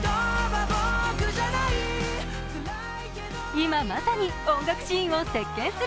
今まさに音楽シーンを席けんする